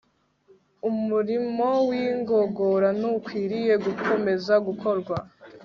Umurimo wigogora ntukwiriye gukomeza gukorwa